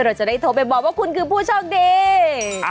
เราจะได้โทรไปบอกว่าคุณคือผู้โชคดี